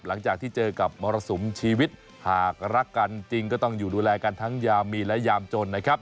หลังจากที่เจอกับมรสุมชีวิตหากรักกันจริงก็ต้องอยู่ดูแลกันทั้งยามมีและยามจนนะครับ